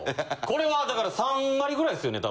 これはだから３割ぐらいですよね？